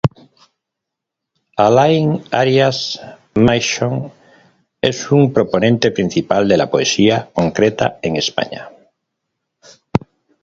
Alain Arias-Misson es un proponente principal de la poesía concreta en España.